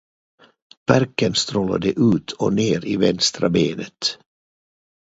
Värken strålade ut och ner i vänstra benet.